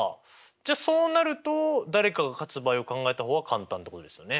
じゃあそうなると誰かが勝つ場合を考えた方が簡単ってことですよね。